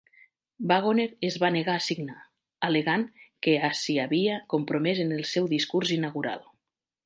Wagoner es va negar a signar, al·legant que ha s'hi havia compromès en el seu discurs inaugural.